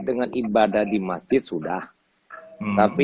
dengan ibadah di masjid sudah tapi